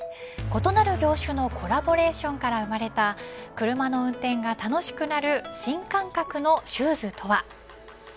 異なる業種のコラボレーションから生まれた車の運転が楽しくなる新感覚のシューズとは。